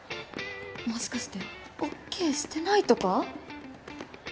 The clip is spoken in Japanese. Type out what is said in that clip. もしかしてオッケーしてないとか？